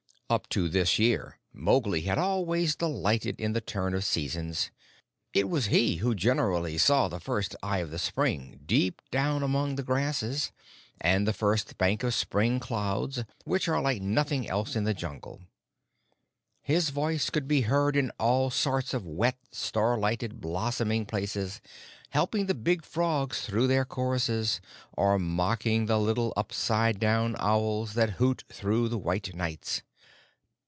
Up to this year Mowgli had always delighted in the turn of the seasons. It was he who generally saw the first Eye of the Spring deep down among the grasses, and the first bank of spring clouds which are like nothing else in the Jungle. His voice could be heard in all sorts of wet, star lighted, blossoming places, helping the big frogs through their choruses, or mocking the little upside down owls that hoot through the white nights.